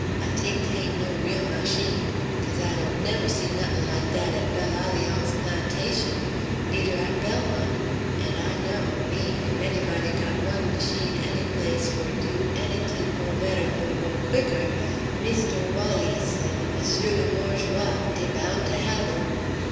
I t'ink 'taint no real mash in' [machine] 'cause I dawn't never see nuttin' like dat at Belle Alliance plant ation, neider at Belmont; and I know, me, if anybody got one mash in', any place, for do any t'in' mo' betteh or mo' quicker, Mistoo Walleece an' M'sieu Le Bourgeois dey boun' to 'ave 'im.